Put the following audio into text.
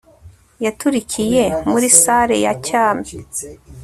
yaturikiye muri salle ya cyami